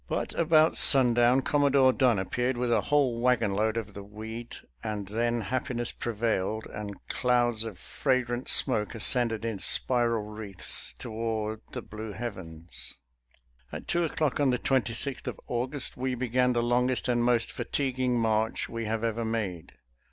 But about sundown Commodore Dunn appeared with a whole wagon load of the weed, and then happiness prevailed and clouds of frag 61 62 SOLDIER'S LETTERS TO CHARMING NELLIE rant smoke ascended in spiral wreaths toward the blue heavens. At two o'clock of the 26th day of August we began the longest and most fatiguing march we have ever made.